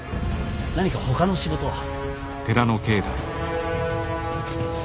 何かほかの仕事は。